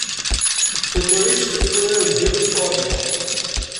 Tutrict turar mgal Ustṛalya.